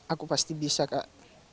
aku pasti bisa kak